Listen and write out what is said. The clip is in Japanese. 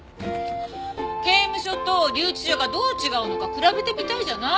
刑務所と留置場がどう違うのか比べてみたいじゃない？